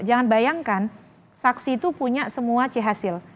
jangan bayangkan saksi itu punya semua chasil